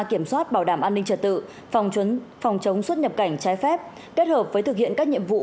kiểm soát bảo đảm an ninh trật tự phòng chống xuất nhập cảnh trái phép kết hợp với thực hiện các nhiệm vụ